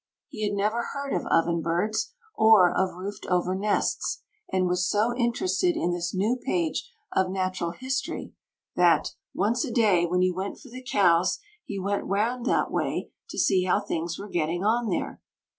He had never heard of ovenbirds or of roofed over nests, and was so interested in this new page of natural history that "once a day when he went for the cows he went round that way to see how things were getting on there."